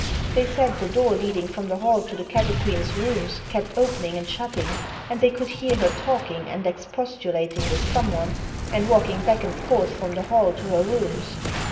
They said the doors leading from the hall to the Cattle Queen's rooms kept opening and shutting, and they could hear her talking and expostulating with someone and walking back and forth from the hall to her rooms.